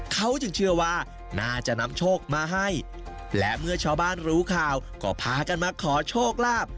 เขาจึงเชื่อว่าน่าจะนำโชคมาให้และเมื่อชาวบ้านรู้ข่าวก็พากันมาขอโชคลาภ